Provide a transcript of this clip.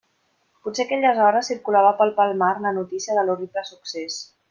Potser a aquelles hores circulava pel Palmar la notícia de l'horrible succés.